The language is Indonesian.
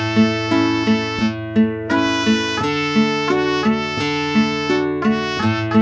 yaudah ma gak apa apa